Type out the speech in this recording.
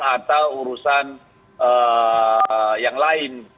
atau urusan yang lain